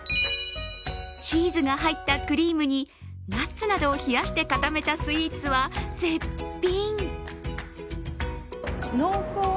チーズが入ったクリームにナッツなどを冷やして固めたスイーツは絶品。